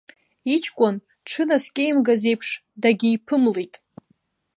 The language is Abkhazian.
Иҷкәын, дшынаскьеимгаз еиԥш, дагьиԥымлеит.